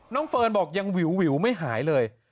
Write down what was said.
เฟิร์นบอกยังวิวไม่หายเลย